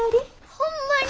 ほんまに！？